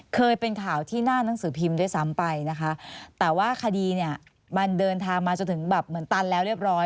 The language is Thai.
เคยเป็นข่าวที่หน้านังสือพิมพ์ด้วยซ้ำไปนะคะแต่ว่าคดีเนี่ยมันเดินทางมาจนถึงแบบเหมือนตันแล้วเรียบร้อย